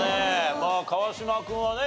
まあ川島君はねやっぱ。